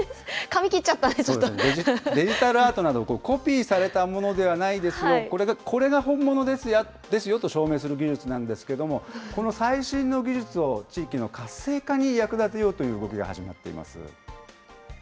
髪切っちゃっデジタルアートなどをコピーされたものではないですよ、これが本物ですよと証明する技術なんですけれども、この最新の技術を地域の活性化に役立てようという動きが始まっています。